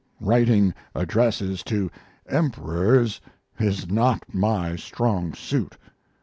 Writing addresses to emperors is not my strong suit.